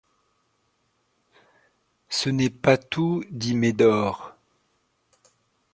Ce n'est pas tout, dit Médor.